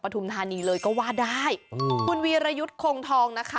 ทุมธานีเลยก็ว่าได้คุณวีรยุทธ์คงทองนะคะ